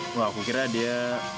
wah aku kira dia